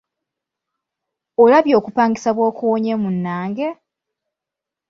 Olabye okupangisa bw’okuwonye munnange!